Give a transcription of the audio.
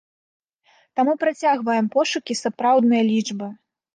Таму працягваем пошукі сапраўднай лічбы.